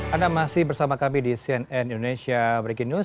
anda masih bersama kami di cnn indonesia breaking news